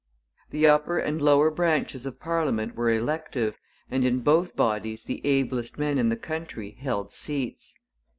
The upper and lower branches of parliament were elective, and in both bodies the ablest men in the country held seats.